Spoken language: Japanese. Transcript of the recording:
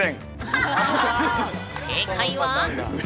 正解は。